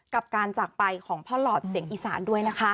กับการจากไปของพ่อหลอดเสียงอีสานด้วยนะคะ